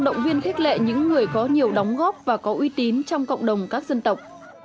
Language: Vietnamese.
động viên khích lệ những người có nhiều đóng góp và có uy tín trong cộng đồng các dân tộc